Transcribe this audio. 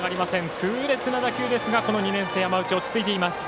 痛烈な打球ですが２年生の山内落ち着いています。